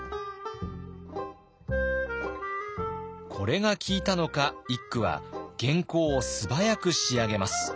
これが効いたのか一九は原稿を素早く仕上げます。